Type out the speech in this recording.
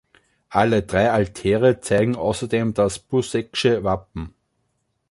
Alle drei Altäre zeigen außerdem das Buseck’sche Wappen.